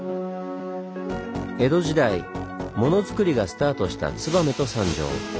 江戸時代モノづくりがスタートした燕と三条。